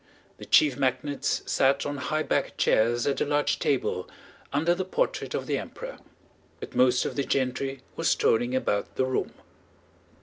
The chief magnates sat on high backed chairs at a large table under the portrait of the Emperor, but most of the gentry were strolling about the room.